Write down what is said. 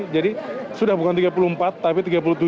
jadi sudah bukan tiga puluh empat tapi tiga puluh tujuh